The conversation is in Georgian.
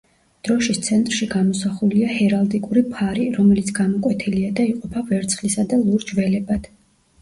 დროშის ცენტრში გამოსახულია ჰერალდიკური ფარი, რომელიც გაკვეთილია და იყოფა ვერცხლის და ლურჯ ველებად.